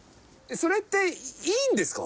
それっていいんですか？